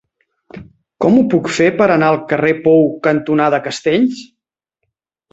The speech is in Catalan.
Com ho puc fer per anar al carrer Pou cantonada Castells?